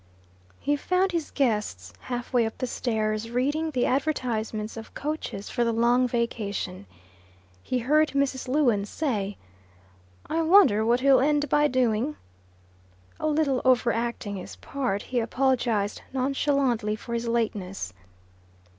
He found his guests half way up the stairs, reading the advertisements of coaches for the Long Vacation. He heard Mrs. Lewin say, "I wonder what he'll end by doing." A little overacting his part, he apologized nonchalantly for his lateness.